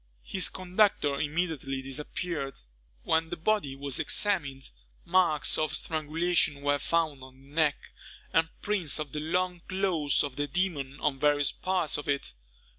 His conductor immediately disappeared. When the body was examined, marks of strangulation were found on the neck, and prints of the long claws of the demon on various parts of it.